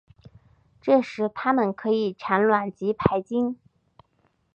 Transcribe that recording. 这时它们可以产卵及排精。